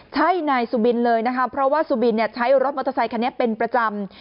ใช่นายสุบินเลยนะคะเพราะว่าสุบินใช้รถมอเตอร์ไซคันนี้เป็นประจำ